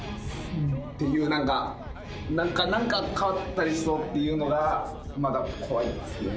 っていう、なんか、なんか、なんか変わったりしそうっていうのが、まだ怖いですよね。